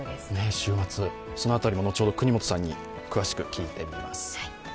週末、その辺りも後ほど國本さんに聞いてみます。